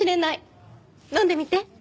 飲んでみて。